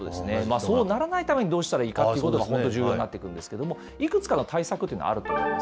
そうならないためにどうしたらいいかということが本当、重要になってくるんですけれども、いくつかの対策というのはあると思います。